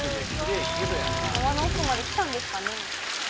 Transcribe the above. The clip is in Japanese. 沢の奥まで来たんですかね。